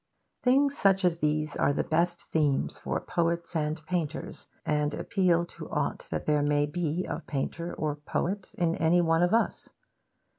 Things such as these are the best themes for poets and painters, and appeal to aught that there may be of painter or poet in any one of us.